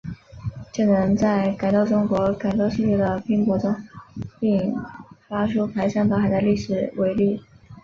就能在改造中国、改造世界的拼搏中，迸发出排山倒海的历史伟力。